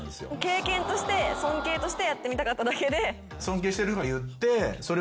経験として尊敬としてやってみたかっただけで。